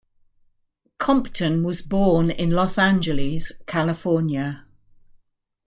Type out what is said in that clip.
Compton was born in Los Angeles, California.